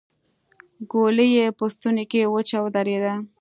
ګولۍ يې په ستونې کې وچه ودرېده.